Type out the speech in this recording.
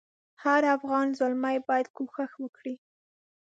هر افغان زلمی باید کوښښ وکړي.